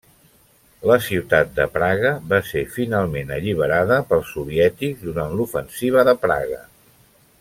La ciutat de Praga va ser finalment alliberada pels soviètics durant l'Ofensiva de Praga.